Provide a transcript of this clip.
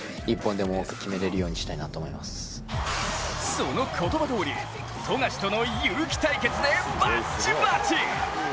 その言葉どおり、富樫とのユウキ対決でバッチバチ。